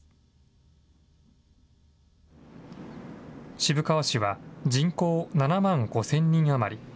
渋川市は人口７万５０００人余り。